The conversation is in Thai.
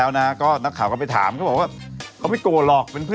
ว่ากันตามสีนี่ครับ